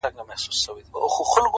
نظم د پرمختګ ملګری دی.